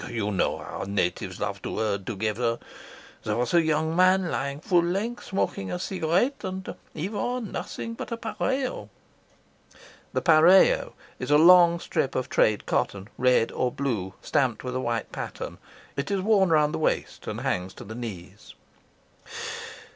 You know how natives love to herd together. There was a young man lying full length, smoking a cigarette, and he wore nothing but a ." The is a long strip of trade cotton, red or blue, stamped with a white pattern. It is worn round the waist and hangs to the knees.